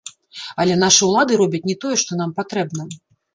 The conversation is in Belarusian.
Але нашы ўлады робяць не тое, што нам патрэбна.